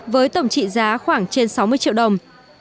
với tổng trị giá khoảng trên sáu mươi triệu đồng